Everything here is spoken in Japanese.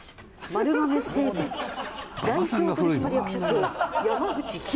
「丸亀製麺代表取締役社長山口寛」。